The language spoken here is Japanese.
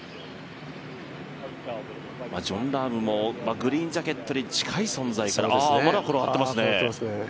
ジョン・ラームもグリーンジャケットに近い存在からまだ転がってますね。